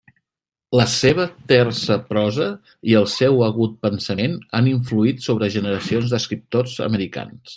La seva tersa prosa i el seu agut pensament han influït sobre generacions d'escriptors americans.